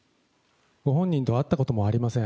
ご本人と会ったこともありません。